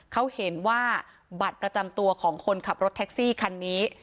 เขาเห็นว่าบัตรประจำตัวของคนขับรถแท็กซี่คันนี้